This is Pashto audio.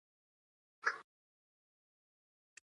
طنز تکل ادبي ټوټه او سفرنامه هم شته.